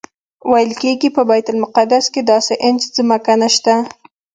ویل کېږي په بیت المقدس کې داسې انچ ځمکه نشته.